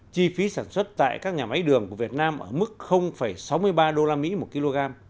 chi phí sản xuất tại các nhà máy đường của việt nam ở mức sáu mươi ba usd một kg